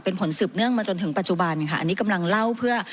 เป็นผลสืบเนื่องมาจนถึงปัจจุบันค่ะอันนี้กำลังเล่าเพื่อ